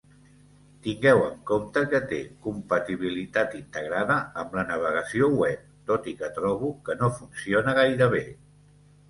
Tingueu en compte que té compatibilitat integrada amb la navegació web, tot i que trobo que no funciona gaire bé.